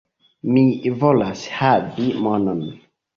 Mi volas havi monon.